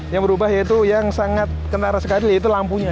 yang berubah yaitu yang sangat kentara sekali yaitu lampunya